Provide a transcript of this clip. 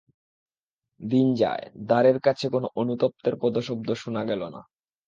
দিন যায়-দ্বারের কাছে কোনো অনুতপ্তের পদশব্দ শুনা গেল না।